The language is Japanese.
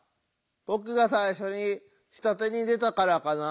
僕が最初に下手にでたからかな？